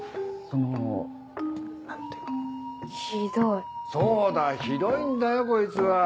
そうだひどいんだよこいつは。